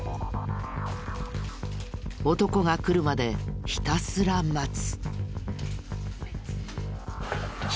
男が来るまでひたすら待つ。